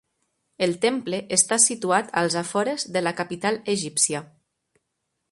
El temple està situat als afores de la capital egípcia.